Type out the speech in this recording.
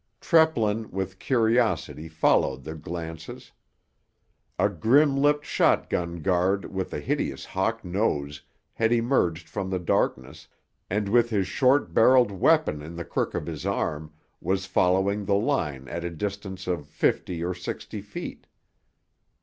Treplin with curiosity followed their glances. A grim lipped shotgun guard with a hideous hawk nose had emerged from the darkness, and with his short barrelled weapon in the crook of his arm was following the line at a distance of fifty or sixty feet.